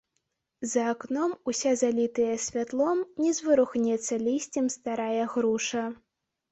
За акном уся залітая святлом не зварухнецца лісцем старая груша.